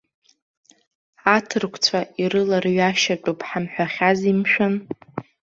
Аҭырқәцәа ирыларҩашьатәуп ҳамҳәахьази, мшәан?!